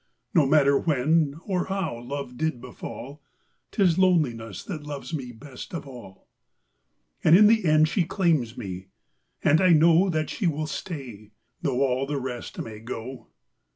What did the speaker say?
No matter when or how love did befall,’Tis Loneliness that loves me best of all, And in the end she claims me, and I knowThat she will stay, though all the rest may go.